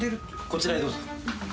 こちらへどうぞ。